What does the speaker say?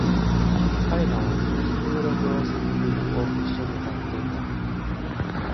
彼らは、Two Little Girls in Blue を一緒に歌っていた。